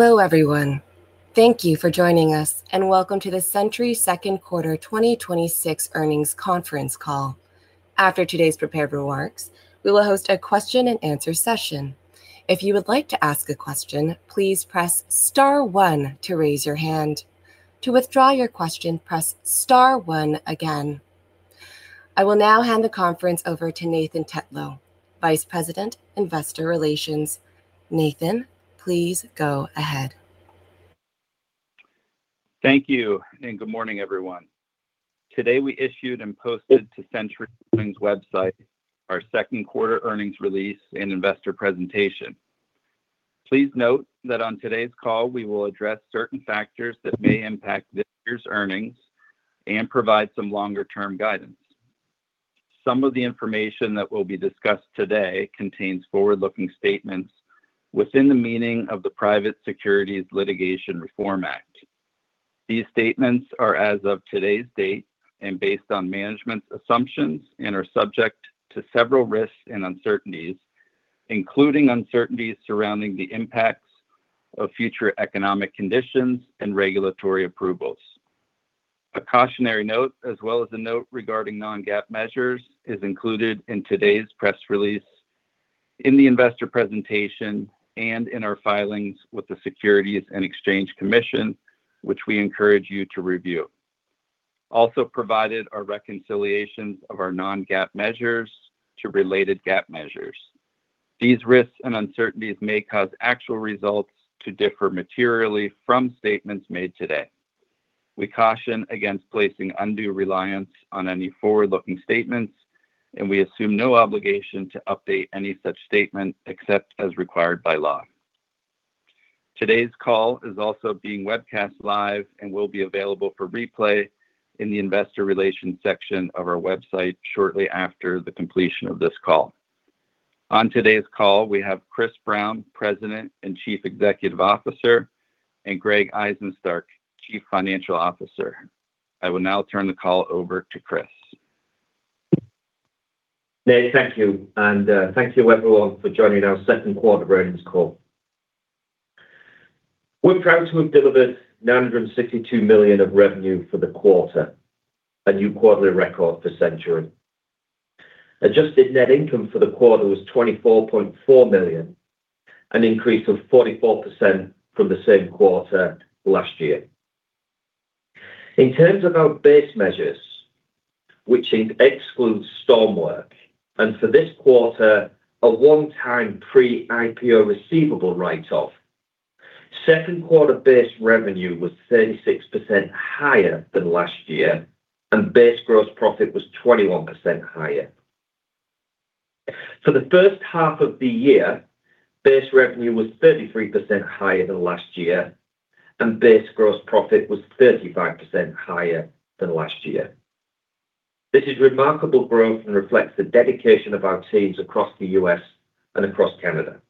Hello, everyone. Thank you for joining us, welcome to the Centuri second quarter 2026 earnings conference call. After today's prepared remarks, we will host a question and answer session. If you would like to ask a question, please press star one to raise your hand. To withdraw your question, press star one again. I will now hand the conference over to Nathan Tetlow, Vice President, Investor Relations. Nathan, please go ahead. Thank you. Good morning, everyone. Today, we issued and posted to Centuri's earnings website our second quarter earnings release and investor presentation. Please note that on today's call, we will address certain factors that may impact this year's earnings and provide some longer-term guidance. Some of the information that will be discussed today contains forward-looking statements within the meaning of the Private Securities Litigation Reform Act. These statements are as of today's date and based on management's assumptions and are subject to several risks and uncertainties, including uncertainties surrounding the impacts of future economic conditions and regulatory approvals. A cautionary note, as well as a note regarding non-GAAP measures, is included in today's press release, in the investor presentation, and in our filings with the Securities and Exchange Commission, which we encourage you to review. Also provided are reconciliations of our non-GAAP measures to related GAAP measures. These risks and uncertainties may cause actual results to differ materially from statements made today. We caution against placing undue reliance on any forward-looking statements. We assume no obligation to update any such statement except as required by law. Today's call is also being webcast live and will be available for replay in the investor relations section of our website shortly after the completion of this call. On today's call, we have Chris Brown, President and Chief Executive Officer, and Greg Izenstark, Chief Financial Officer. I will now turn the call over to Chris. Nathan, thank you. Thank you, everyone, for joining our second quarter earnings call. We're proud to have delivered $962 million of revenue for the quarter, a new quarterly record for Centuri. Adjusted net income for the quarter was $24.4 million, an increase of 44% from the same quarter last year. In terms of our base measures, which excludes storm work, and for this quarter, a one-time pre-IPO receivable write-off, second quarter base revenue was 36% higher than last year. Base gross profit was 21% higher. For the first half of the year, base revenue was 33% higher than last year. Base gross profit was 35% higher than last year. This is remarkable growth and reflects the dedication of our teams across the U.S. and across Canada.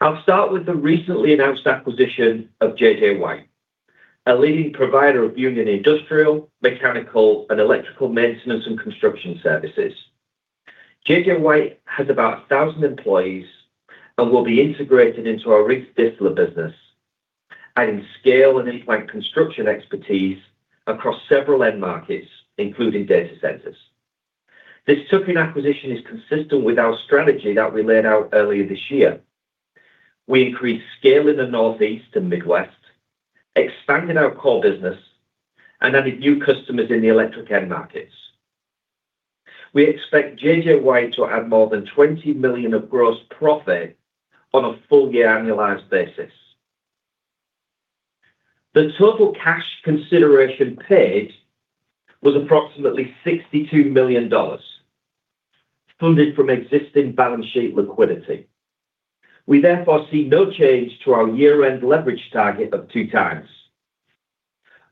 I'll start with the recently announced acquisition of JJ White, a leading provider of union industrial, mechanical, and electrical maintenance and construction services. JJ White has about 1,000 employees and will be integrated into our Riggs Distler business, adding scale and in-plant construction expertise across several end markets, including data centers. This tuck-in acquisition is consistent with our strategy that we laid out earlier this year. We increased scale in the Northeast and Midwest, expanded our core business, and added new customers in the electric end markets. We expect JJ White to add more than $20 million of gross profit on a full-year annualized basis. The total cash consideration paid was approximately $62 million, funded from existing balance sheet liquidity. We therefore see no change to our year-end leverage target of 2x.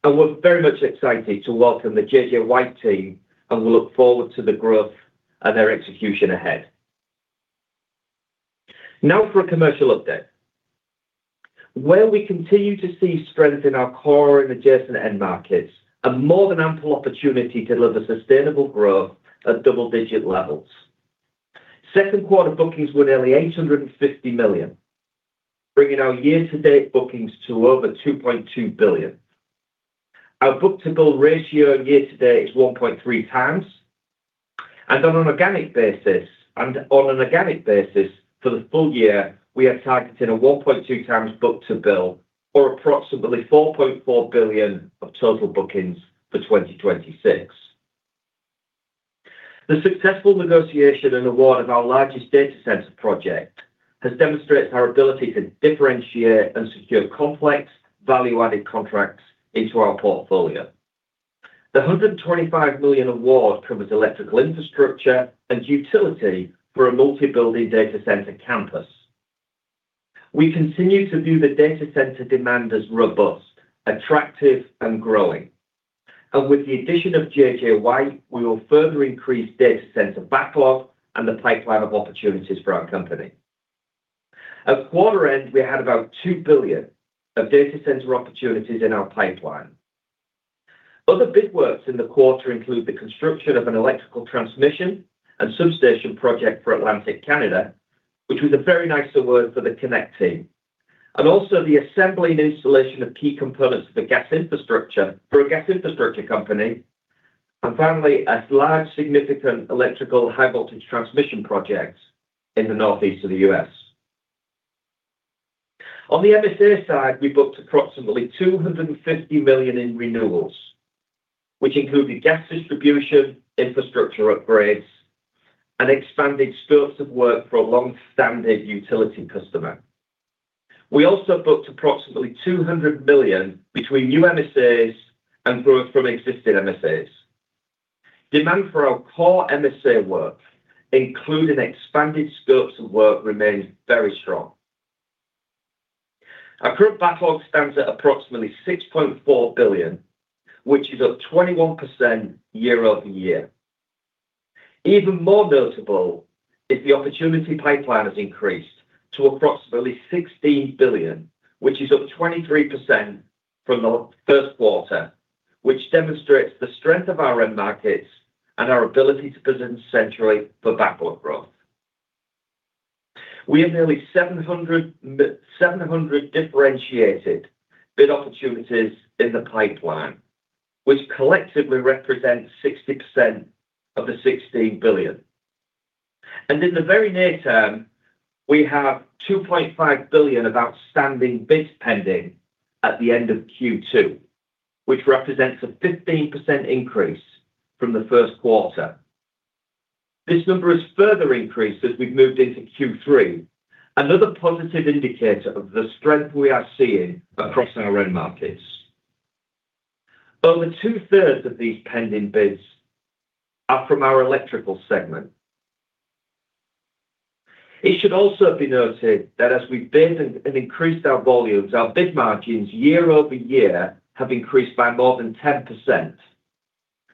We're very much excited to welcome the JJ White team. We look forward to the growth and their execution ahead. Now for a commercial update. While we continue to see strength in our core and adjacent end markets, a more than ample opportunity to deliver sustainable growth at double-digit levels. Second quarter bookings were nearly $850 million, bringing our year-to-date bookings to over $2.2 billion. Our book-to-bill ratio year-to-date is 1.3x, and on an organic basis for the full year, we are targeting a 1.2x book-to-bill or approximately $4.4 billion of total bookings for 2026. The successful negotiation and award of our largest data center project has demonstrated our ability to differentiate and secure complex value-added contracts into our portfolio. The $125 million award covers electrical infrastructure and utility for a multi-building data center campus. We continue to view the data center demand as robust, attractive, and growing. With the addition of JJ White, we will further increase data center backlog and the pipeline of opportunities for our company. At quarter end, we had about $2 billion of data center opportunities in our pipeline. Other big works in the quarter include the construction of an electrical transmission and substation project for Atlantic Canada, which was a very nice award for the connect team. Also the assembly and installation of key components for a gas infrastructure company. Finally, a large, significant electrical high voltage transmission project in the northeast of the U.S. On the MSA side, we booked approximately $250 million in renewals, which included gas distribution, infrastructure upgrades, and expanded scopes of work for a long-standing utility customer. We also booked approximately $200 million between new MSAs and growth from existing MSAs. Demand for our core MSA work, including expanded scopes of work, remains very strong. Our current backlog stands at approximately $6.4 billion, which is up 21% year-over-year. Even more notable is the opportunity pipeline has increased to approximately $16 billion, which is up 23% from the first quarter, which demonstrates the strength of our end markets and our ability to position Centuri for backlog growth. We have nearly 700 differentiated bid opportunities in the pipeline, which collectively represents 60% of the $16 billion. In the very near term, we have $2.5 billion of outstanding bids pending at the end of Q2, which represents a 15% increase from the first quarter. This number has further increased as we've moved into Q3, another positive indicator of the strength we are seeing across our end markets. Over 2/3 of these pending bids are from our electrical segment. It should also be noted that as we bid and increased our volumes, our bid margins year-over-year have increased by more than 10%,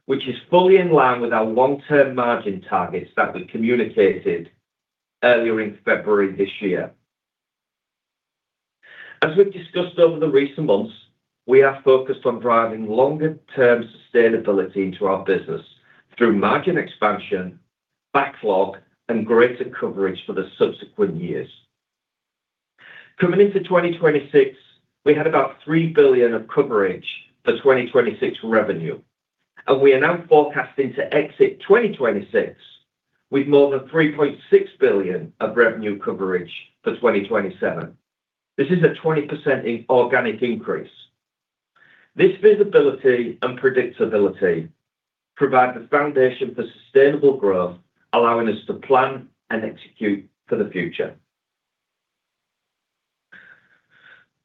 which is fully in line with our longer-term margin targets that we communicated earlier in February this year. As we've discussed over the recent months, we are focused on driving longer-term sustainability into our business through margin expansion, backlog, and greater coverage for the subsequent years. Coming into 2026, we had about $3 billion of coverage for 2026 revenue. We are now forecasting to exit 2026 with more than $3.6 billion of revenue coverage for 2027. This is a 20% organic increase. This visibility and predictability provide the foundation for sustainable growth, allowing us to plan and execute for the future.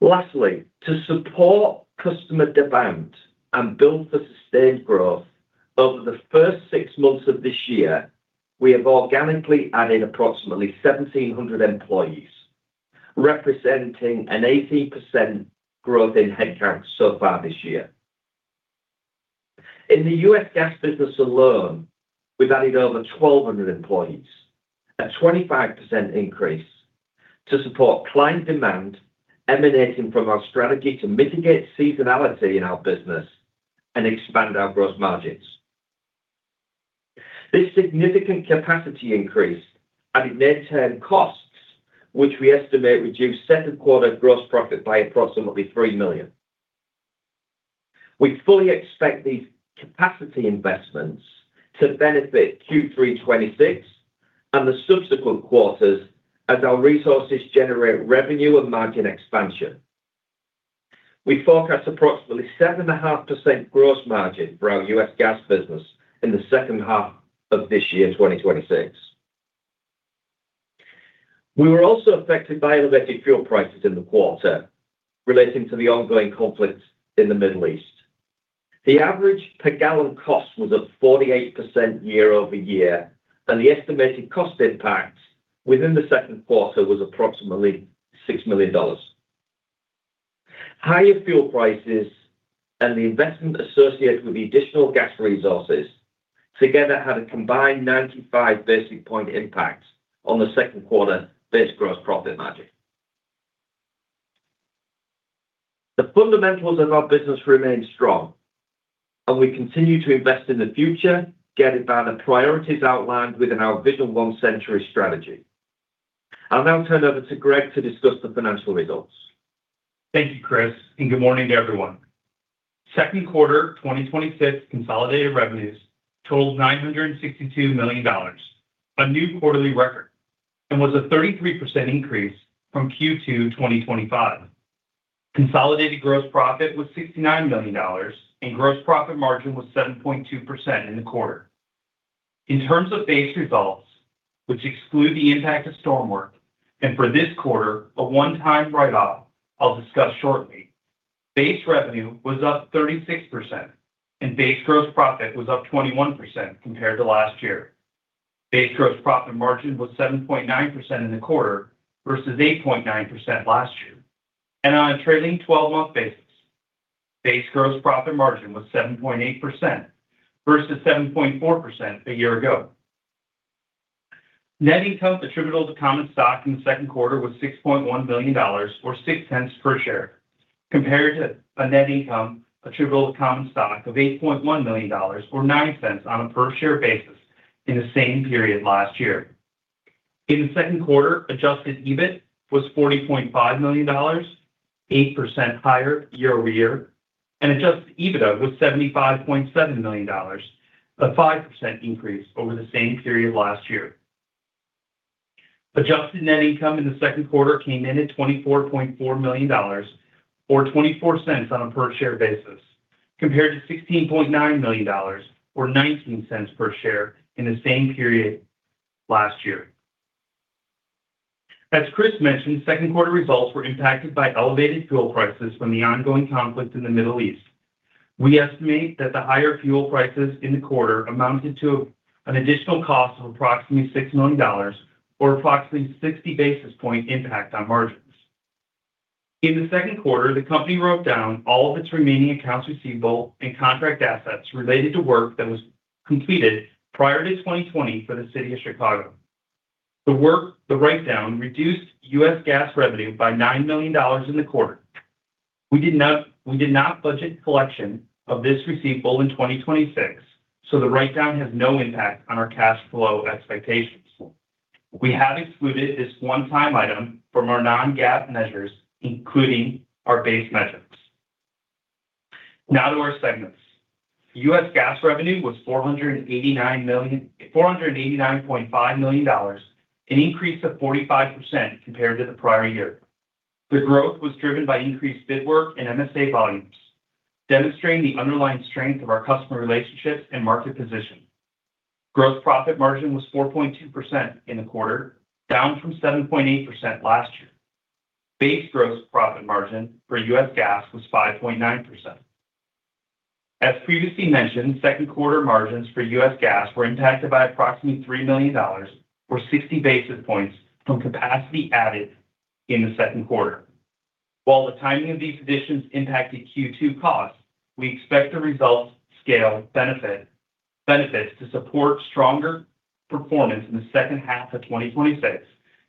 Lastly, to support customer demand and build for sustained growth, over the first six months of this year, we have organically added approximately 1,700 employees, representing an 18% growth in headcount so far this year. In the U.S. Gas business alone, we've added over 1,200 employees, a 25% increase, to support client demand emanating from our strategy to mitigate seasonality in our business and expand our gross margins. This significant capacity increase added near-term costs, which we estimate reduced second quarter gross profit by approximately $3 million. We fully expect these capacity investments to benefit Q3 2026 and the subsequent quarters as our resources generate revenue and margin expansion. We forecast approximately 7.5% gross margin for our U.S. Gas business in the second half of this year, 2026. We were also affected by elevated fuel prices in the quarter relating to the ongoing conflict in the Middle East. The average per gallon cost was up 48% year-over-year, and the estimated cost impact within the second quarter was approximately $6 million. Higher fuel prices and the investment associated with the additional gas resources together had a combined 95 basis point impact on the second quarter base gross profit margin. The fundamentals of our business remain strong. We continue to invest in the future, guided by the priorities outlined within our Vision One Centuri strategy. I'll now turn it over to Greg to discuss the financial results. Thank you, Chris, and good morning to everyone. Second quarter 2025 consolidated revenues totaled $962 million, a new quarterly record, was a 33% increase from Q2 2025. Consolidated gross profit was $69 million. Gross profit margin was 7.2% in the quarter. In terms of base results, which exclude the impact of storm work, for this quarter, a one-time write-off I'll discuss shortly. Base revenue was up 36%. Base gross profit was up 21% compared to last year. Base gross profit margin was 7.9% in the quarter versus 8.9% last year. On a trailing 12-month basis, base gross profit margin was 7.8% versus 7.4% a year ago. Net income attributable to common stock in the second quarter was $6.1 million, or $0.06 per share, compared to a net income attributable to common stock of $8.1 million or $0.09 on a per-share basis in the same period last year. In the second quarter, adjusted EBIT was $40.5 million, 8% higher year-over-year, and adjusted EBITDA was $75.7 million, a 5% increase over the same period last year. Adjusted net income in the second quarter came in at $24.4 million or $0.24 on a per-share basis, compared to $16.9 million or $0.19 per share in the same period last year. As Chris mentioned, second quarter results were impacted by elevated fuel prices from the ongoing conflict in the Middle East. We estimate that the higher fuel prices in the quarter amounted to an additional cost of approximately $6 million or approximately 60 basis points impact on margins. In the second quarter, the company wrote down all of its remaining accounts receivable and contract assets related to work that was completed prior to 2020 for the City of Chicago. The write-down reduced U.S. Gas revenue by $9 million in the quarter. We did not budget collection of this receivable in 2026, so the write-down has no impact on our cash flow expectations. We have excluded this one-time item from our non-GAAP measures, including our base measures. Now to our segments. U.S. Gas revenue was $489.5 million, an increase of 45% compared to the prior year. The growth was driven by increased bid work and MSA volumes, demonstrating the underlying strength of our customer relationships and market position. Gross profit margin was 4.2% in the quarter, down from 7.8% last year. Base gross profit margin for U.S. Gas was 5.9%. As previously mentioned, second quarter margins for U.S. Gas were impacted by approximately $3 million or 60 basis points from capacity added in the second quarter. While the timing of these additions impacted Q2 costs, we expect the results scale benefits to support stronger performance in the second half of 2026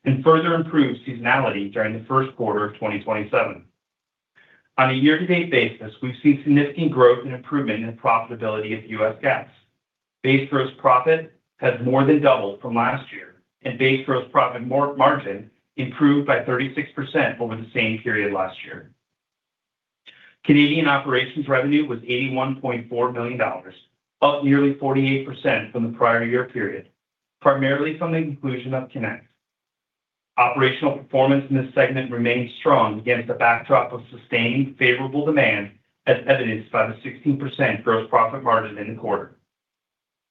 and further improve seasonality during the first quarter of 2027. On a year-to-date basis, we've seen significant growth and improvement in the profitability of U.S. Gas. Base gross profit has more than doubled from last year, and base gross profit margin improved by 36% over the same period last year. Canadian Operations revenue was $81.4 million, up nearly 48% from the prior year period, primarily from the inclusion of Connect. Operational performance in this segment remained strong against a backdrop of sustained favorable demand, as evidenced by the 16% gross profit margin in the quarter.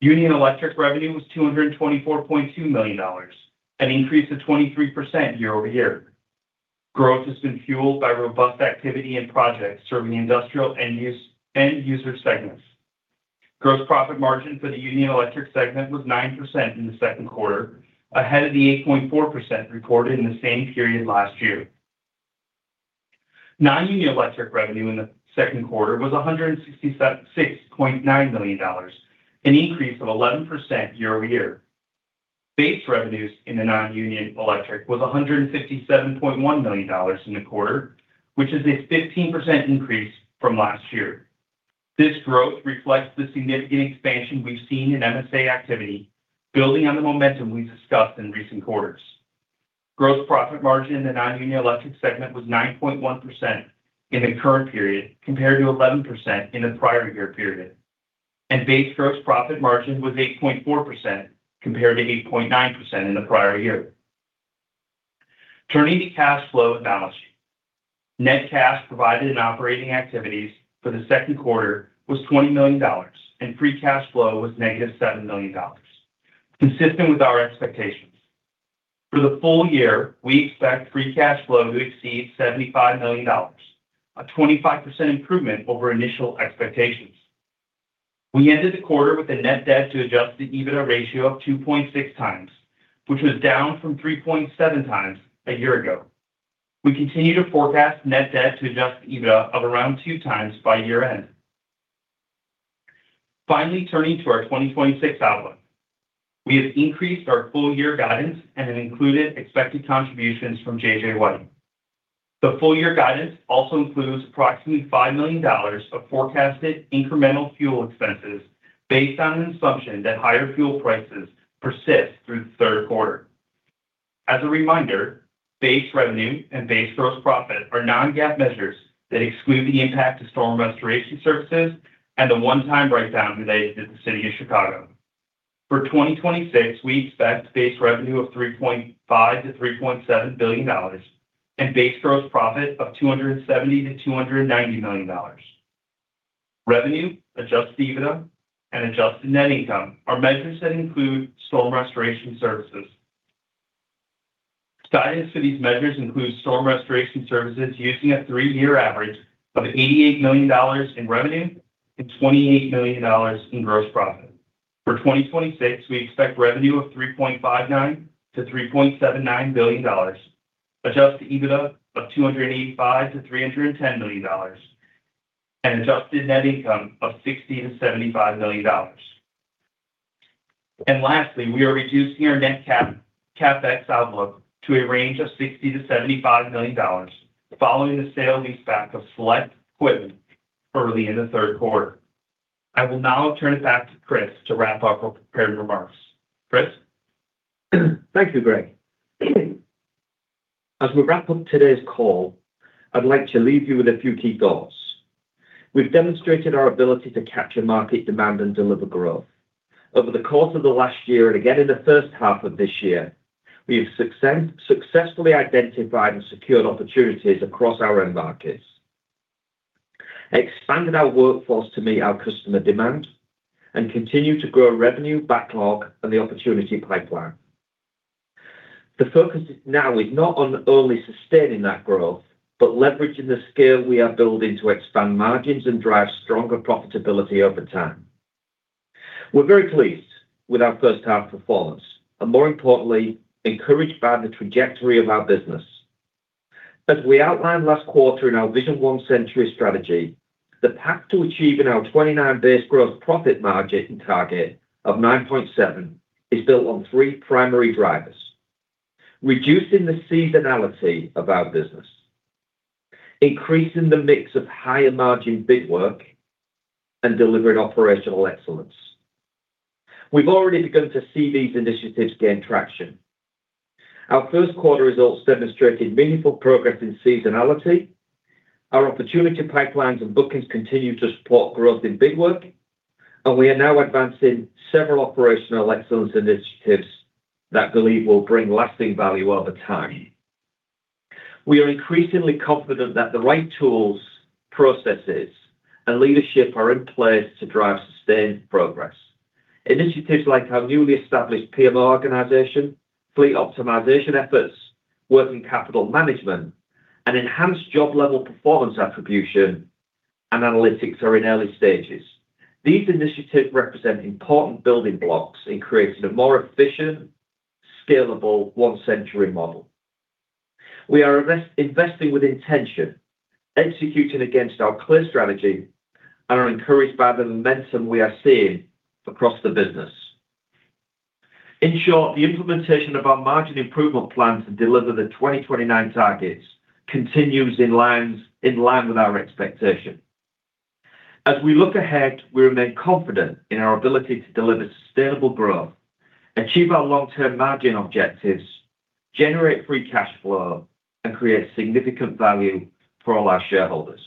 Union Electric revenue was $224.2 million, an increase of 23% year-over-year. Growth has been fueled by robust activity and projects serving the industrial end user segments. Gross profit margin for the Union Electric segment was 9% in the second quarter, ahead of the 8.4% recorded in the same period last year. Non-Union Electric revenue in the second quarter was $166.9 million, an increase of 11% year-over-year. Base revenues in the Non-Union Electric was $157.1 million in the quarter, which is a 15% increase from last year. This growth reflects the significant expansion we've seen in MSA activity, building on the momentum we discussed in recent quarters. Gross profit margin in the Non-Union Electric segment was 9.1% in the current period, compared to 11% in the prior year period. Base gross profit margin was 8.4%, compared to 8.9% in the prior year. Turning to cash flow and balance sheet. Net cash provided in operating activities for the second quarter was $20 million, and free cash flow was negative $7 million, consistent with our expectations. For the full year, we expect free cash flow to exceed $75 million, a 25% improvement over initial expectations. We ended the quarter with a net debt to adjusted EBITDA ratio of 2.6x, which was down from 3.7x a year ago. We continue to forecast net debt to adjusted EBITDA of around 2x by year-end. Turning to our 2026 outlook. We have increased our full-year guidance and have included expected contributions from JJ White. The full-year guidance also includes approximately $5 million of forecasted incremental fuel expenses based on an assumption that higher fuel prices persist through the third quarter. As a reminder, base revenue and base gross profit are non-GAAP measures that exclude the impact of storm restoration services and the one-time write-down related to the City of Chicago. For 2026, we expect base revenue of $3.5 billion-$3.7 billion and base gross profit of $270 million-$290 million. Revenue, adjusted EBITDA, and adjusted net income are measures that include storm restoration services. Guidance for these measures includes storm restoration services using a three-year average of $88 million in revenue and $28 million in gross profit. For 2026, we expect revenue of $3.59 billion-$3.79 billion, adjusted EBITDA of $285 million-$310 million. Adjusted net income of $60 million-$75 million. Lastly, we are reducing our net CapEx outlook to a range of $60 million-$75 million following the sale leaseback of select equipment early in the third quarter. I will now turn it back to Chris to wrap up our prepared remarks. Chris? Thank you, Greg. As we wrap up today's call, I'd like to leave you with a few key thoughts. We've demonstrated our ability to capture market demand and deliver growth. Over the course of the last year, and again in the first half of this year, we have successfully identified and secured opportunities across our end markets, expanded our workforce to meet our customer demand, and continue to grow revenue backlog and the opportunity pipeline. The focus now is not on only sustaining that growth, but leveraging the scale we are building to expand margins and drive stronger profitability over time. We're very pleased with our first half performance, and more importantly, encouraged by the trajectory of our business. As we outlined last quarter in our Vision One Centuri strategy, the path to achieving our 2029 base gross profit margin target of 9.7% is built on three primary drivers: reducing the seasonality of our business, increasing the mix of higher margin big work, and delivering operational excellence. We've already begun to see these initiatives gain traction. Our first quarter results demonstrated meaningful progress in seasonality. Our opportunity pipelines and bookings continue to support growth in big work, and we are now advancing several operational excellence initiatives that believe will bring lasting value over time. We are increasingly confident that the right tools, processes, and leadership are in place to drive sustained progress. Initiatives like our newly established PMO organization, fleet optimization efforts, working capital management, and enhanced job level performance attribution and analytics are in early stages. These initiatives represent important building blocks in creating a more efficient, scalable One Centuri model. We are investing with intention, executing against our clear strategy, and are encouraged by the momentum we are seeing across the business. In short, the implementation of our margin improvement plan to deliver the 2029 targets continues in line with our expectation. As we look ahead, we remain confident in our ability to deliver sustainable growth, achieve our long-term margin objectives, generate free cash flow, and create significant value for all our shareholders.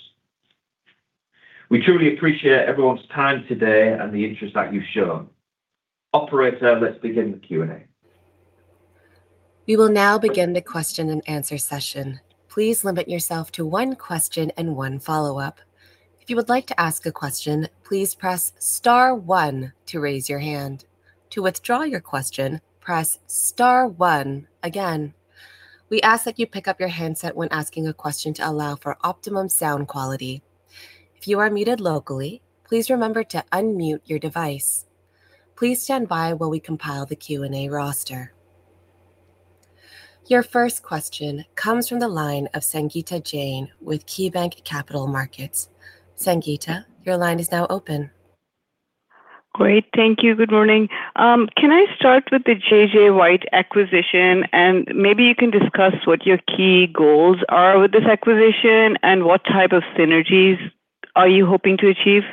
We truly appreciate everyone's time today and the interest that you've shown. Operator, let's begin the Q&A. We will now begin the question and answer session. Please limit yourself to one question and one follow-up. If you would like to ask a question, please press star one to raise your hand. To withdraw your question, press star one again. We ask that you pick up your handset when asking a question to allow for optimum sound quality. If you are muted locally, please remember to unmute your device. Please stand by while we compile the Q&A roster. Your first question comes from the line of Sangita Jain with KeyBanc Capital Markets. Sangita, your line is now open. Great. Thank you. Good morning. Can I start with the JJ White acquisition, and maybe you can discuss what your key goals are with this acquisition, and what type of synergies are you hoping to achieve?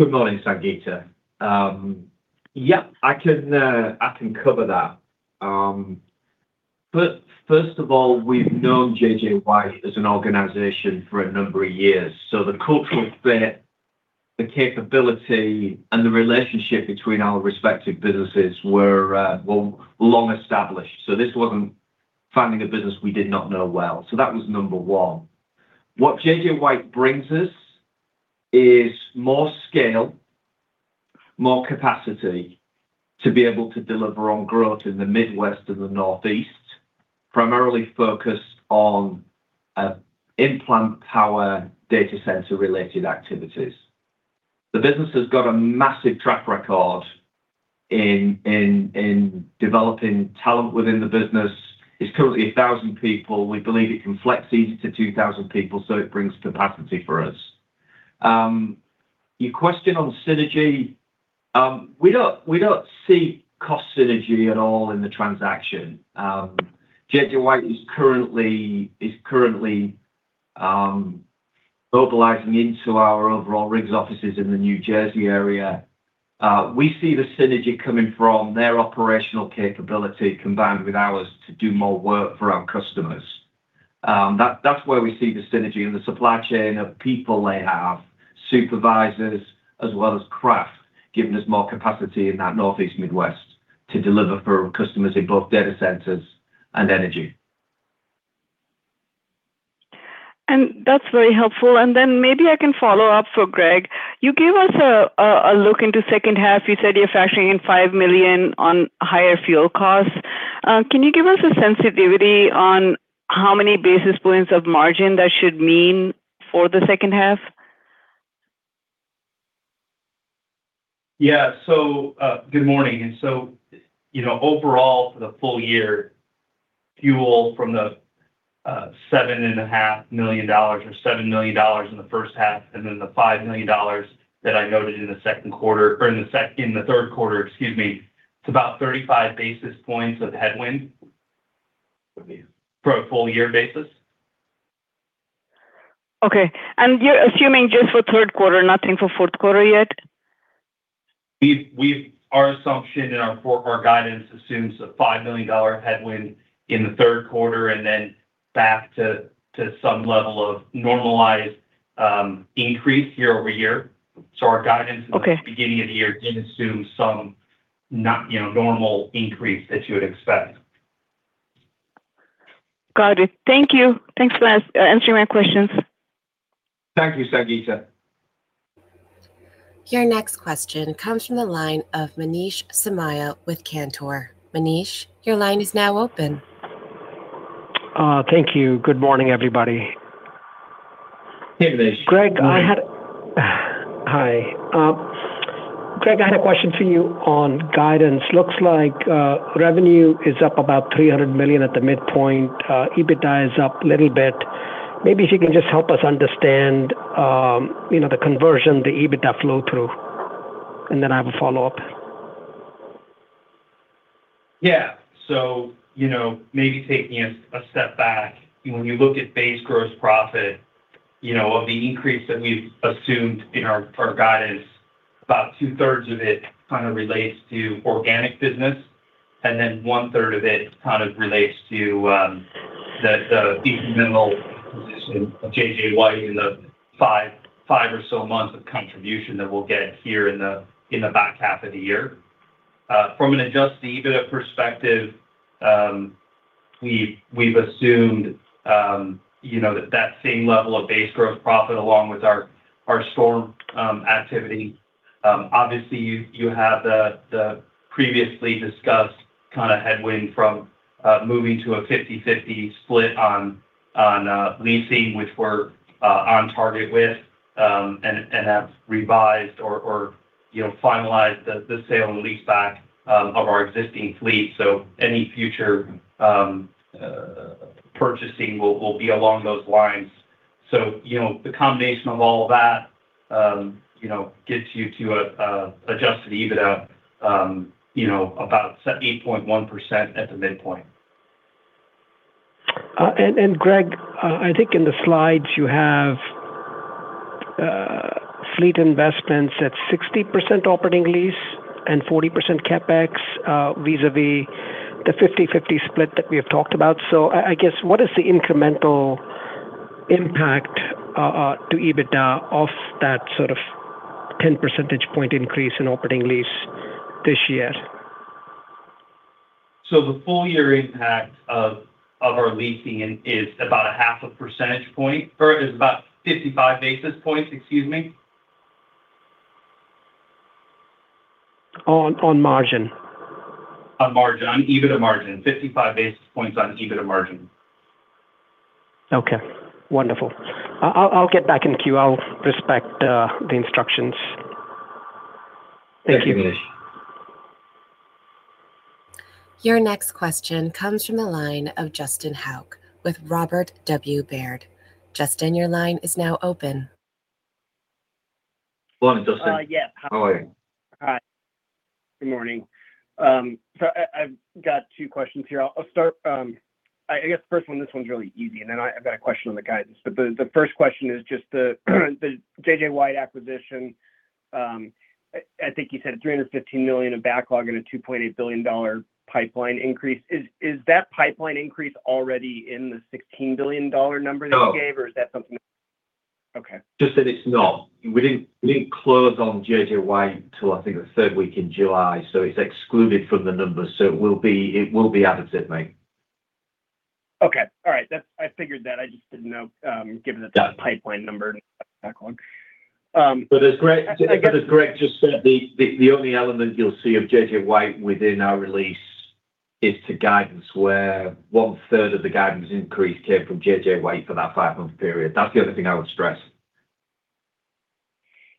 Good morning, Sangita. Yep, I can cover that. First of all, we've known JJ White as an organization for a number of years. The cultural fit, the capability, and the relationship between our respective businesses were long established. This wasn't finding a business we did not know well. That was number one. What JJ White brings us is more scale, more capacity to be able to deliver on growth in the Midwest and the Northeast, primarily focused on implant power data center related activities. The business has got a massive track record in developing talent within the business. It's currently 1,000 people. We believe it can flex easy to 2,000 people, so it brings capacity for us. Your question on synergy, we don't see cost synergy at all in the transaction. JJ White is currently localizing into our overall Riggs offices in the New Jersey area. We see the synergy coming from their operational capability combined with ours to do more work for our customers. That's where we see the synergy in the supply chain of people they have, supervisors, as well as craft, giving us more capacity in that Northeast, Midwest to deliver for customers in both data centers and energy. That's very helpful. Then maybe I can follow up for Greg. You gave us a look into second half. You said you're factoring in $5 million on higher fuel costs. Can you give us a sensitivity on how many basis points of margin that should mean for the second half? Yeah. Good morning. Overall for the full year, fuel from the $7.5 million or $7 million in the first half, then the $5 million that I noted in the second quarter, or in the third quarter, excuse me, it's about 35 basis points of headwind for a full year basis. Okay. You're assuming just for third quarter, nothing for fourth quarter yet? Our assumption in our forward guidance assumes a $5 million headwind in the third quarter, and then back to some level of normalized increase year-over-year. Our guidance. Okay. At the beginning of the year did assume some not normal increase that you would expect. Got it. Thank you. Thanks for answering my questions. Thank you, Sangita. Your next question comes from the line of Manish Somaiya with Cantor. Manish, your line is now open. Thank you. Good morning, everybody. Hey, Manish. Good morning. Hi Greg, I had a question for you on guidance. Looks like revenue is up about $300 million at the midpoint. EBITDA is up a little bit. Maybe if you can just help us understand the conversion, the EBITDA flow-through. Then I have a follow-up. Maybe taking a step back. When you look at base gross profit, of the increase that we've assumed in our guidance, about 2/3 of it kind of relates to organic business, and 1/3 of it kind of relates to the incremental position of JJ White in the five or so months of contribution that we'll get here in the back half of the year. From an adjusted EBITDA perspective, we've assumed that same level of base gross profit along with our storm activity. Obviously, you have the previously discussed kind of headwind from moving to a 50/50 split on leasing, which we're on target with, and have revised or finalized the sale leaseback of our existing fleet. Any future purchasing will be along those lines. The combination of all of that gets you to adjusted EBITDA about 8.1% at the midpoint. Greg, I think in the slides you have fleet investments at 60% operating lease and 40% CapEx, vis-à-vis the 50/50 split that we have talked about. I guess, what is the incremental impact to EBITDA of that sort of 10 percentage point increase in operating lease this year? The full year impact of our leasing is about a half a percentage point, or is about 55 basis points, excuse me. On margin. On margin, on EBITDA margin. 55 basis points on EBITDA margin. Okay. Wonderful. I'll get back in queue. I'll respect the instructions. Thank you. Thank you, Manish. Your next question comes from the line of Justin Hauke with Robert W. Baird. Justin, your line is now open. Morning, Justin. Yes. How are you? Hi. Good morning. I've got two questions here. I guess the first one, this one's really easy, I've got a question on the guidance. The first question is just the JJ White acquisition. I think you said $315 million of backlog and a $2.8 billion pipeline increase. Is that pipeline increase already in the $16 billion number that you gave- No. Is that something? Okay. Justin, it's not. We didn't close on JJ White until, I think, the third week in July, so it's excluded from the numbers. It will be out of Sydney. Okay. All right. I figured that. I just didn't know. Yeah. Given the pipeline number and the backlog. As Greg just said, the only element you'll see of JJ White within our release is to guidance where 1/3 of the guidance increase came from JJ White for that five-month period. That's the other thing I would stress.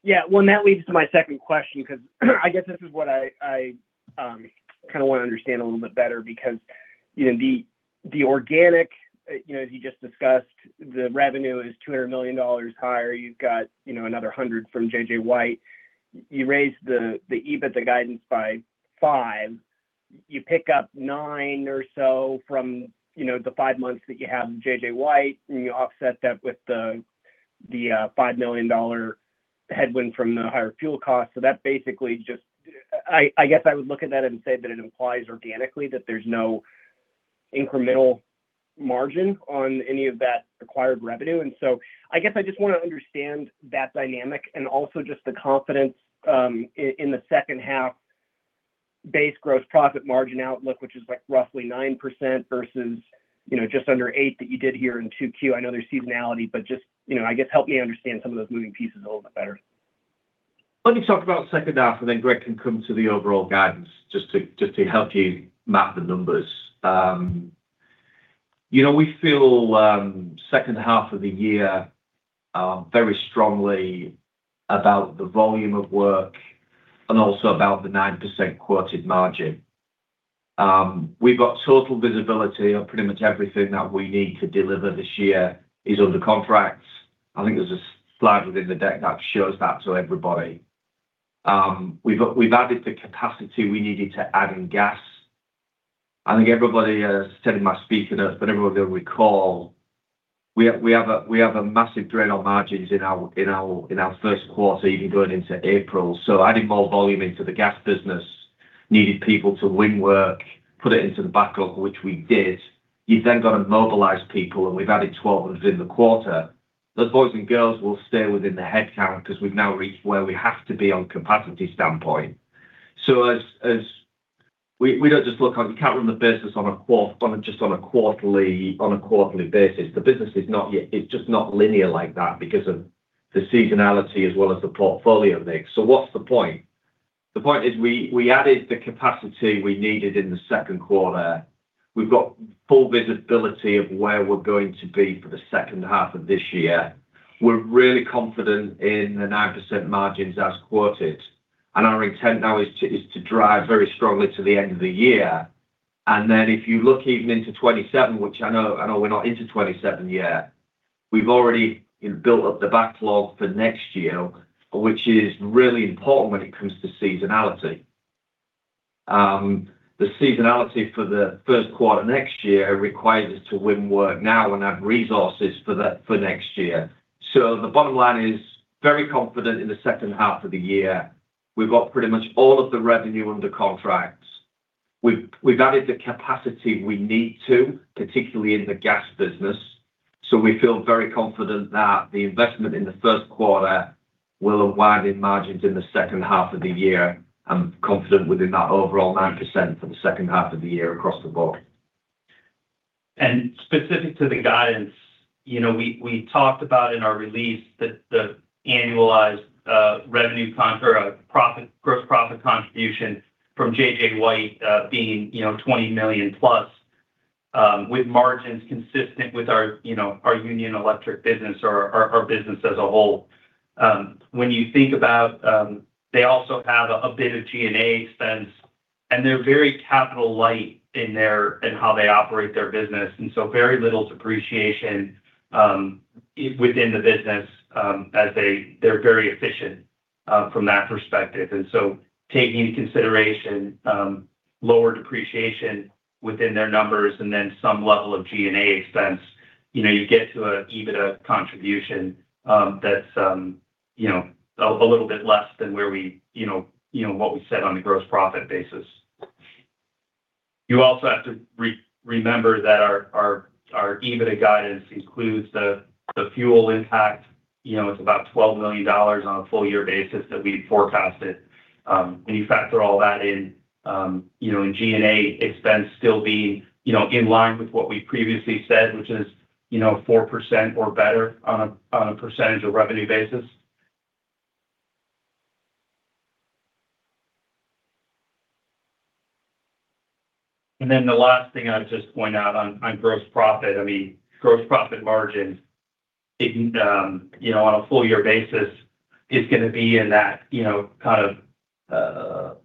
Yeah. That leads to my second question, because I guess this is what I kind of want to understand a little bit better because the organic, as you just discussed, the revenue is $200 million higher. You've got another $100 million from JJ White. You raised the EBITDA guidance by $5 million. You pick up $9 million or so from the five months that you have JJ White, you offset that with the $5 million headwind from the higher fuel cost. That basically just I guess I would look at that and say that it implies organically that there's no incremental margin on any of that acquired revenue. I guess I just want to understand that dynamic and also just the confidence in the second half base gross profit margin outlook, which is roughly 9% versus just under 8% that you did here in Q2. I know there's seasonality, but just I guess help me understand some of those moving pieces a little bit better. Let me talk about the second half, and then Greg can come to the overall guidance just to help you map the numbers. We feel second half of the year very strongly about the volume of work and also about the 9% quoted margin. We've got total visibility on pretty much everything that we need to deliver this year is under contract. I think there's a slide within the deck that shows that to everybody. We've added the capacity we needed to add in gas. I think everybody is telling my speaker notes, but everyone will recall, we have a massive drain on margins in our first quarter, even going into April. Adding more volume into the gas business needed people to win work, put it into the backlog, which we did. You've then got to mobilize people, and we've added 1,200 in the quarter. Those boys and girls will stay within the headcount because we've now reached where we have to be on capacity standpoint. We can't run the business just on a quarterly basis. The business is just not linear like that because of the seasonality as well as the portfolio mix. What's the point? The point is we added the capacity we needed in the second quarter. We've got full visibility of where we're going to be for the second half of this year. We're really confident in the 9% margins as quoted, our intent now is to drive very strongly to the end of the year. If you look even into 2027, which I know we're not into 2027 yet, we've already built up the backlog for next year, which is really important when it comes to seasonality. The seasonality for the first quarter next year requires us to win work now and have resources for next year. The bottom line is very confident in the second half of the year. We've got pretty much all of the revenue under contract. We've added the capacity we need to, particularly in the gas business. We feel very confident that the investment in the first quarter will have widened margins in the second half of the year and confident within that overall 9% for the second half of the year across the board. Specific to the guidance, we talked about in our release that the annualized revenue contra profit, gross profit contribution from JJ White being $20+ million with margins consistent with our Union Electric business or our business as a whole. When you think about, they also have a bit of G&A expense, they're very capital light in how they operate their business, very little depreciation within the business as they're very efficient from that perspective. Taking into consideration lower depreciation within their numbers and then some level of G&A expense, you get to an EBITDA contribution that's a little bit less than what we said on a gross profit basis. You also have to remember that our EBITDA guidance includes the fuel impact. It's about $12 million on a full year basis that we forecasted. When you factor all that in, G&A expense still being in line with what we previously said, which is 4% or better on a percentage of revenue basis. The last thing I'll just point out on gross profit. Gross profit margin on a full year basis is going to be in that kind of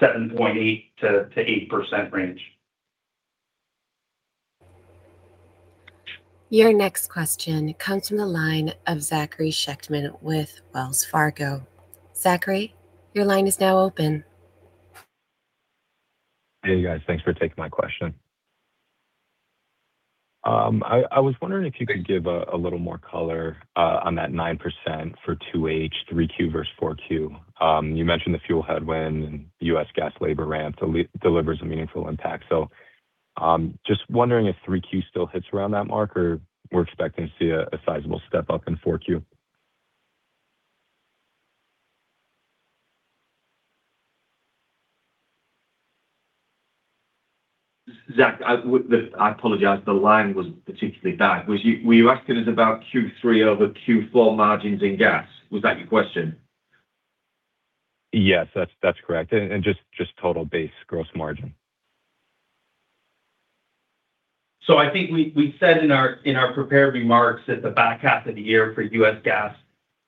7.8%-8% range. Your next question comes from the line of Zachary Schechtman with Wells Fargo. Zachary, your line is now open. Hey, guys. Thanks for taking my question. I was wondering if you could give a little more color on that 9% for 2H 3Q versus 4Q. You mentioned the fuel headwind and U.S. Gas labor ramp delivers a meaningful impact. Just wondering if 3Q still hits around that mark, or we're expecting to see a sizable step up in 4Q? Zach, I apologize. The line was particularly bad. Were you asking us about Q3 over Q4 margins in gas? Was that your question? Yes, that's correct. Just total base gross margin. I think we said in our prepared remarks that the back half of the year for U.S. Gas,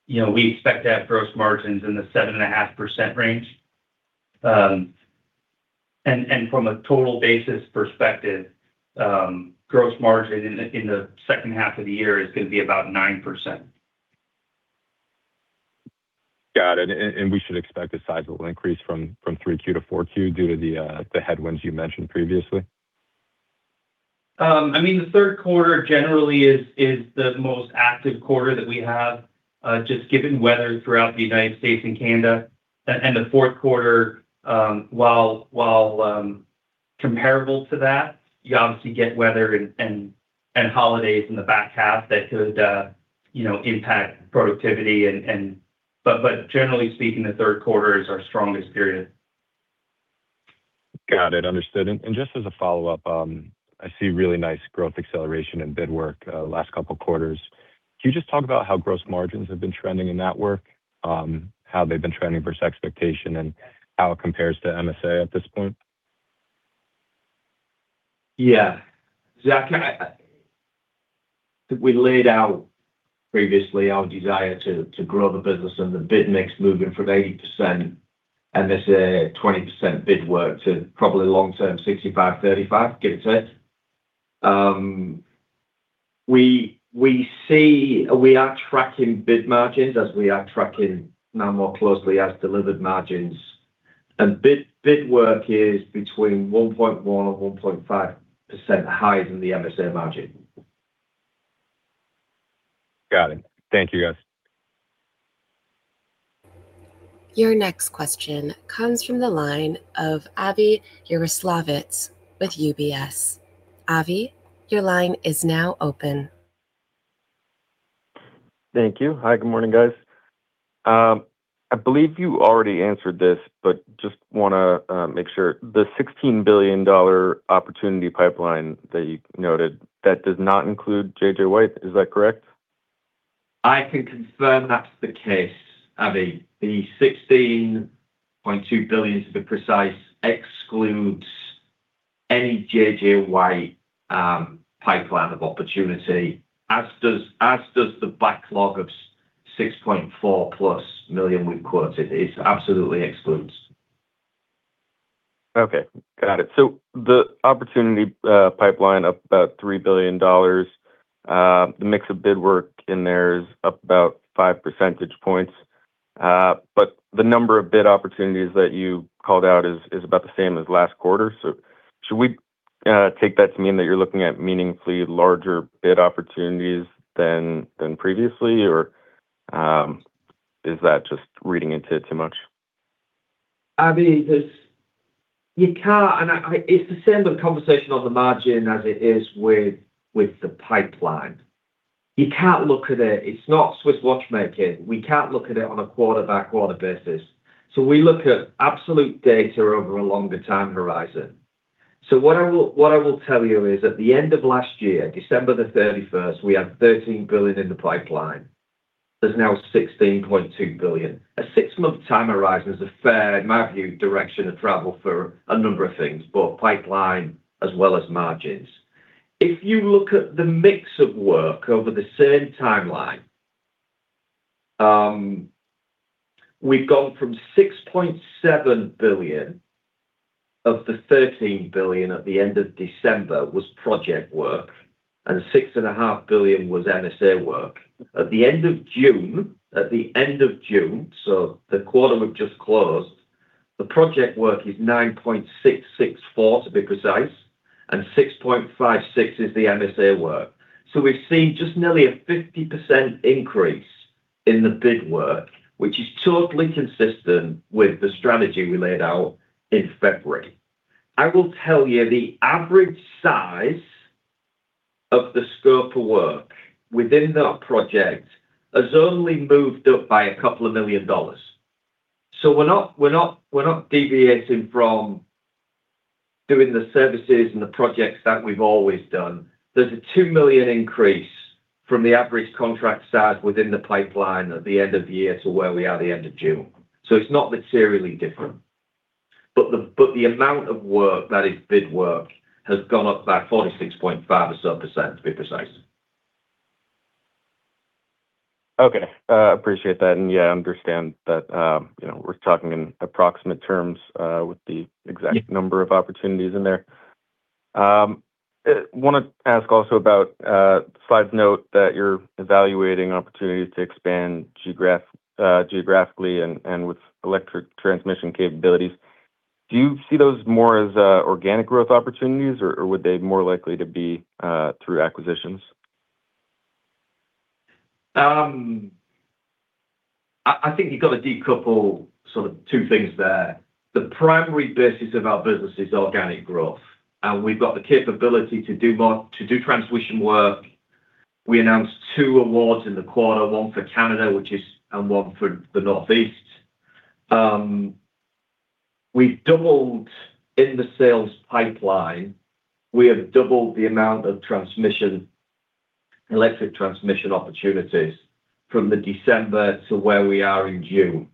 we expect to have gross margins in the 7.5% range. From a total basis perspective, gross margin in the second half of the year is going to be about 9%. Got it. We should expect a sizable increase from 3Q to 4Q due to the headwinds you mentioned previously? The third quarter generally is the most active quarter that we have, just given weather throughout the United States and Canada. The fourth quarter, while comparable to that, you obviously get weather and holidays in the back half that could impact productivity. Generally speaking, the third quarter is our strongest period. Got it. Understood. Just as a follow-up, I see really nice growth acceleration in bid work last couple quarters. Can you just talk about how gross margins have been trending in that work, how they've been trending versus expectation, and how it compares to MSA at this point? Yeah. Zach, I think we laid out previously our desire to grow the business and the bid mix moving from 80% MSA, 20% bid work to probably long-term 65/35, give or take. We are tracking bid margins as we are tracking now more closely as delivered margins. Bid work is between 1.1% or 1.5% higher than the MSA margin. Got it. Thank you, guys. Your next question comes from the line of Avi Jaroslawicz with UBS. Avi, your line is now open. Thank you. Hi, good morning, guys. I believe you already answered this. Just want to make sure. The $16 billion opportunity pipeline that you noted, that does not include JJ White. Is that correct? I can confirm that's the case, Avi. The $16.2 billion, to be precise, excludes any JJ White pipeline of opportunity, as does the backlog of $6.4+ million we've quoted. It absolutely excludes. Okay, got it. The opportunity pipeline of about $3 billion, the mix of bid work in there is up about five percentage points. The number of bid opportunities that you called out is about the same as last quarter. Should we take that to mean that you're looking at meaningfully larger bid opportunities than previously or is that just reading into it too much? Avi, it's the same with conversation on the margin as it is with the pipeline. You can't look at it. It's not Swiss watchmaking. We can't look at it on a quarter-by-quarter basis. We look at absolute data over a longer time horizon. What I will tell you is, at the end of last year, December the 31st, we had $13 billion in the pipeline. There's now $16.2 billion. A six-month time horizon is a fair, in my view, direction of travel for a number of things, both pipeline as well as margins. If you look at the mix of work over the same timeline, we've gone from $6.7 billion of the $13 billion at the end of December was project work, and $6.5 billion was MSA work. At the end of June, the quarter we've just closed, the project work is $9.664, to be precise, and $6.56 is the MSA work. We've seen just nearly a 50% increase in the bid work, which is totally consistent with the strategy we laid out in February. I will tell you, the average size of the scope of work within that project has only moved up by a couple of million dollars. We're not deviating from doing the services and the projects that we've always done. There's a $2 million increase from the average contract size within the pipeline at the end of the year to where we are at the end of June. It's not materially different. The amount of work that is bid work has gone up by 46.5% or so, to be precise. Okay. Appreciate that. Yeah, understand that we're talking in approximate terms with the exact number of opportunities in there. Want to ask also about the slide's note that you're evaluating opportunities to expand geographically and with electric transmission capabilities. Do you see those more as organic growth opportunities, or would they more likely to be through acquisitions? I think you've got to decouple two things there. The primary basis of our business is organic growth, and we've got the capability to do transmission work. We announced two awards in the quarter, one for Canada and one for the Northeast. We've doubled in the sales pipeline. We have doubled the amount of electric transmission opportunities from the December to where we are in June.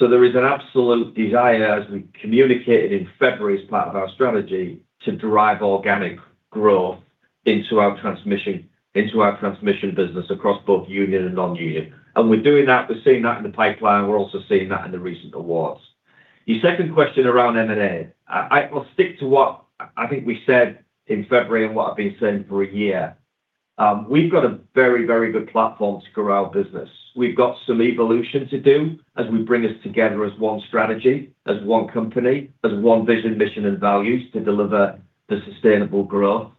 There is an absolute desire, as we communicated in February as part of our strategy, to drive organic growth into our transmission business across both union and non-union. We're doing that. We're seeing that in the pipeline. We're also seeing that in the recent awards. Your second question around M&A. I will stick to what I think we said in February and what I've been saying for a year. We've got a very, very good platform to grow our business. We've got some evolution to do as we bring us together as one strategy, as one company, as one vision, mission and values to deliver the sustainable growth.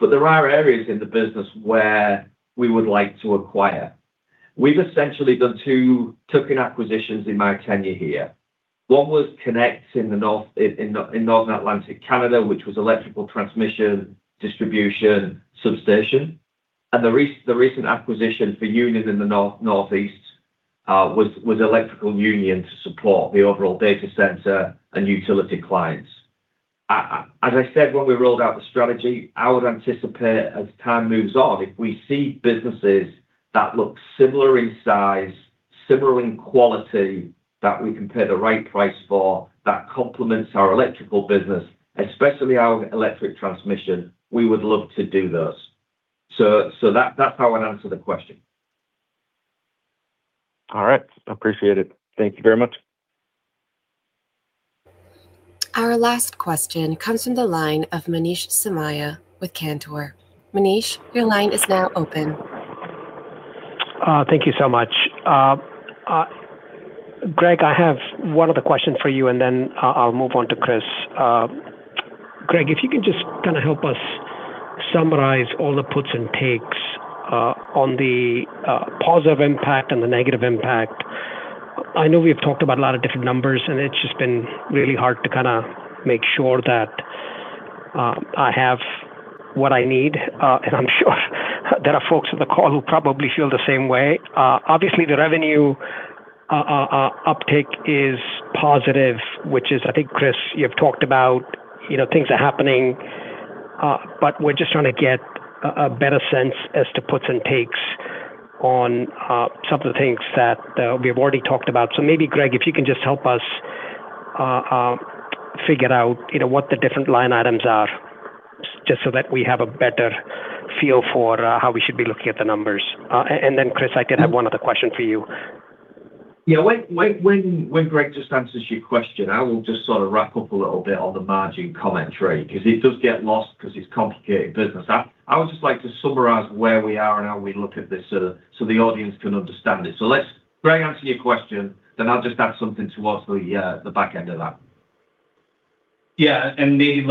There are areas in the business where we would like to acquire. We've essentially done two tuck-in acquisitions in my tenure here. One was Connect in Northern Atlantic Canada, which was electrical transmission, distribution, substation. The recent acquisition for union in the Northeast was Electrical Union to support the overall data center and utility clients. As I said, when we rolled out the strategy, I would anticipate as time moves on, if we see businesses that look similar in size, similar in quality, that we can pay the right price for, that complements our electrical business, especially our electric transmission, we would love to do those. That's how I answer the question. All right. Appreciate it. Thank you very much. Our last question comes from the line of Manish Somaiya with Cantor. Manish, your line is now open. Thank you so much. Greg, I have one other question for you. Then I'll move on to Chris. Greg, if you can just kind of help us summarize all the puts and takes on the positive impact and the negative impact. I know we've talked about a lot of different numbers, and it's just been really hard to make sure that I have what I need. I'm sure there are folks on the call who probably feel the same way. Obviously, the revenue uptick is positive, which is, I think, Chris, you've talked about, things are happening. We're just trying to get a better sense as to puts and takes on some of the things that we have already talked about. Maybe, Greg, if you can just help us figure out what the different line items are, just so that we have a better feel for how we should be looking at the numbers. Then Chris, I did have one other question for you. Just answers your question, I will just sort of wrap up a little bit on the margin commentary because it does get lost because it's complicated business. I would just like to summarize where we are and how we look at this so the audience can understand it. Let Greg answer your question, then I'll just add something towards the back end of that. Yeah. Maybe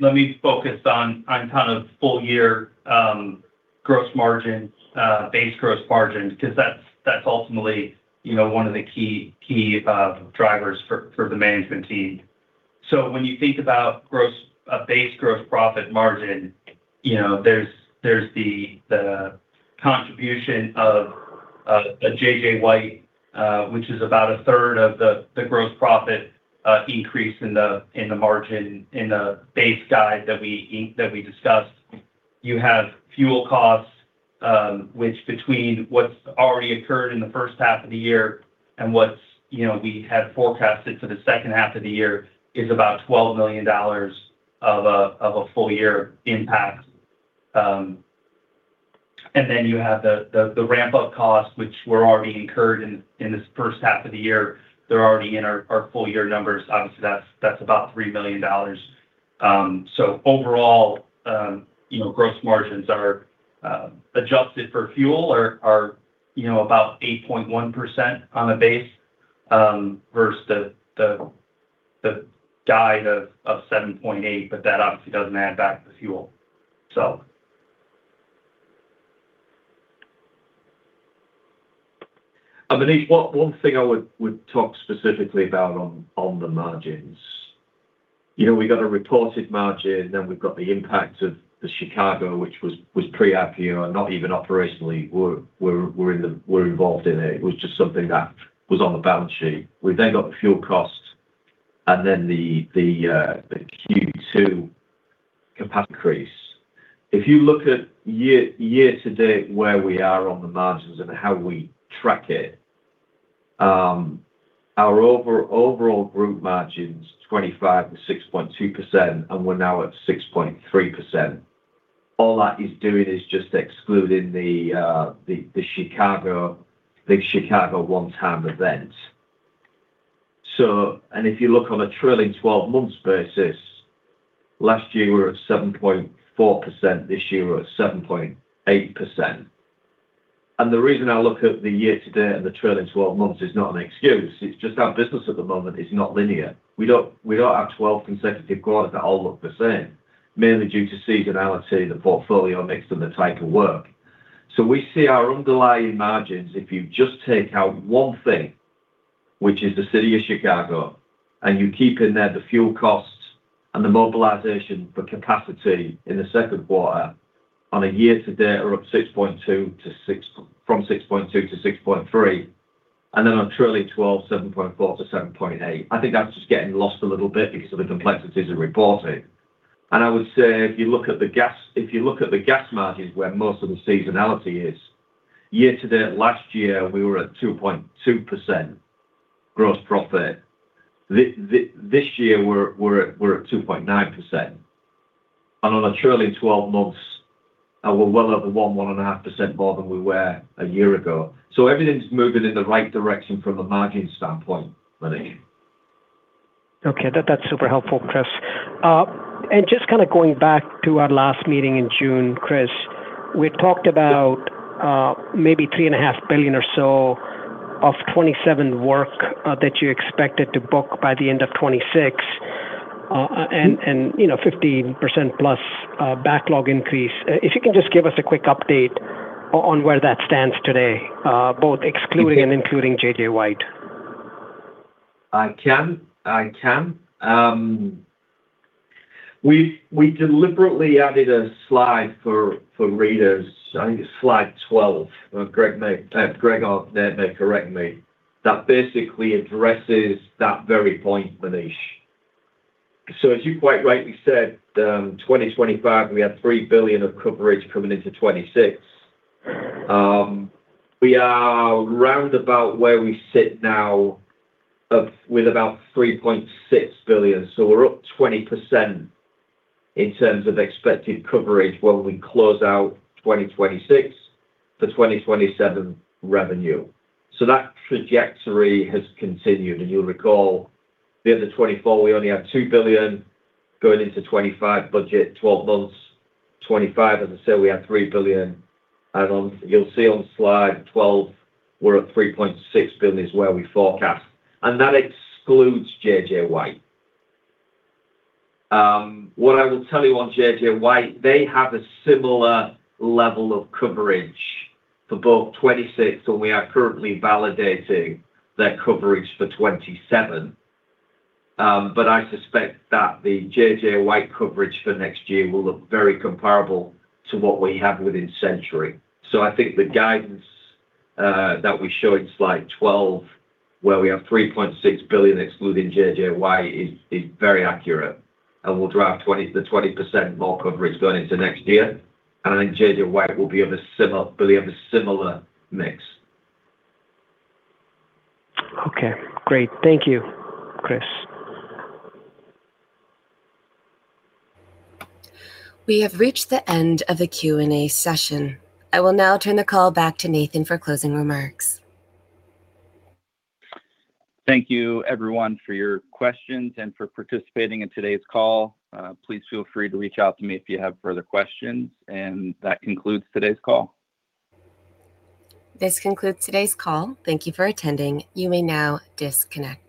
let me focus on kind of full year gross margins, base gross margins, because that's ultimately one of the key drivers for the management team. When you think about base gross profit margin, there's the contribution of JJ White, which is about a third of the gross profit increase in the margin in the base guide that we discussed. You have fuel costs, which between what's already occurred in the first half of the year and what we had forecasted for the second half of the year is about $12 million of a full-year impact. Then you have the ramp-up costs which were already incurred in this first half of the year. They're already in our full-year numbers. Obviously, that's about $3 million. Overall, gross margins are adjusted for fuel are about 8.1% on a base, versus the guide of 7.8%. That obviously doesn't add back the fuel. Manish, one thing I would talk specifically about on the margins. We got a reported margin, then we've got the impact of the Chicago, which was pre-app year, and not even operationally we're involved in it. It was just something that was on the balance sheet. We've then got the fuel cost and then the Q2 capacity increase. If you look at year to date where we are on the margins and how we track it, our overall group margins 25% to 6.2%, and we're now at 6.3%. All that is doing is just excluding the big Chicago one-time event. If you look on a trailing 12 months basis, last year we were at 7.4%, this year we're at 7.8%. The reason I look at the year-to-date and the trailing 12 months is not an excuse, it's just our business at the moment is not linear. We don't have 12 consecutive quarters that all look the same, mainly due to seasonality, the portfolio mix, and the type of work. We see our underlying margins, if you just take out one thing, which is the City of Chicago, and you keep in there the fuel costs and the mobilization for capacity in the second quarter, on a year-to-date are up from 6.2%-6.3%, and then on trailing 12, 7.4%-7.8%. I think that's just getting lost a little bit because of the complexities of reporting. I would say if you look at the gas margins where most of the seasonality is, year-to-date last year, we were at 2.2% gross profit. This year we're at 2.9%. On a trailing 12 months, we're well over 1.5% more than we were a year ago. Everything's moving in the right direction from a margin standpoint, Manish. Okay. That's super helpful, Chris. Just kind of going back to our last meeting in June, Chris, we talked about maybe $3.5 billion or so of 2027 work that you expected to book by the end of 2026. 15%+ backlog increase. If you can just give us a quick update on where that stands today, both excluding and including JJ White. I can. We deliberately added a slide for readers, I think it's slide 12, Greg may correct me, that basically addresses that very point, Manish. As you quite rightly said, 2025, we had $3 billion of coverage coming into 2026. We are round about where we sit now with about $3.6 billion. We're up 20% in terms of expected coverage when we close out 2026 for 2027 revenue. That trajectory has continued. You'll recall the end of 2024, we only had $2 billion going into 2025 budget, 12 months 2025, as I said, we had $3 billion. You'll see on slide 12, we're at $3.6 billion is where we forecast. That excludes JJ White. What I will tell you on JJ White, they have a similar level of coverage for both 2026, and we are currently validating their coverage for 2027. I suspect that the JJ White coverage for next year will look very comparable to what we have within Centuri. I think the guidance that we show in slide 12, where we have $3.6 billion excluding JJ White is very accurate and will drive the 20% more coverage going into next year. I think JJ White will be of a similar mix. Okay, great. Thank you, Chris. We have reached the end of the Q&A session. I will now turn the call back to Nathan for closing remarks. Thank you everyone for your questions and for participating in today's call. Please feel free to reach out to me if you have further questions, that concludes today's call. This concludes today's call. Thank you for attending. You may now disconnect.